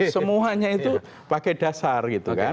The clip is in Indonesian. semuanya itu pakai dasar gitu kan